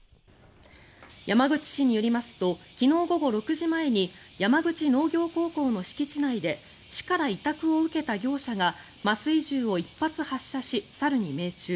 山口市によりますと昨日午後６時前に山口農業高校の敷地内で市から委託を受けた業者が麻酔銃を１発発射し、猿に命中。